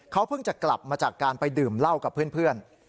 เขาเพิ่งจะกลับมาจากการไปดื่มเหล้ากับเพื่อน